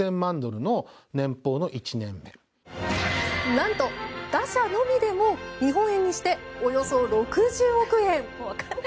何と、打者のみでも日本円にしておよそ６０億円。